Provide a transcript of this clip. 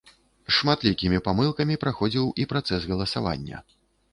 З шматлікімі памылкамі праходзіў і працэс галасавання.